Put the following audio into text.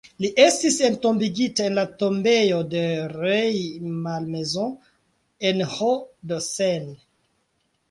Li estis entombigita en la tombejo de Rueil-Malmaison en Hauts-de-Seine.